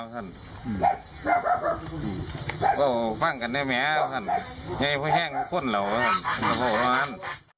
พ่อสกุลการะด้วยพ่อแห้งคนเราพ่อโรงงาน